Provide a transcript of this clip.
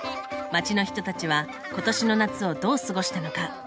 街の人たちは今年の夏をどう過ごしたのか。